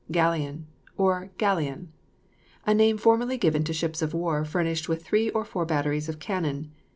GALLEON, OR GALION. A name formerly given to ships of war furnished with three or four batteries of cannon.